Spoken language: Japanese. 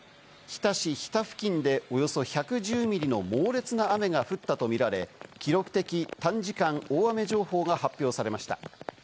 日田市日田付近でおよそ１１０ミリの猛烈な雨が降ったとみられ、記録的短時間大雨情報が発表されました。